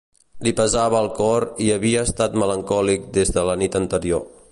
Li pesava el cor i havia estat melancòlic des de la nit anterior.